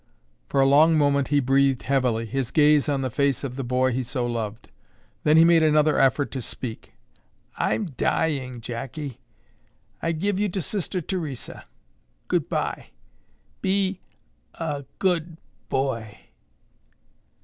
For a long moment he breathed heavily, his gaze on the face of the boy he so loved. Then he made another effort to speak. "I'm dying, Jackie. I give you to Sister Theresa. Goodbye. Be—a—good boy."